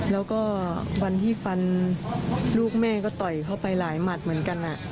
แล้วก็วันที่ฟันลูกแม่ก็ต่อยเข้าไปหลายหมัดเหมือนกัน